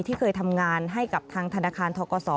ที่เคยทำงานให้กับทางธนาคารทกศ